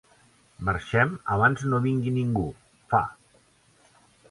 Marxem abans no vingui ningú, fa.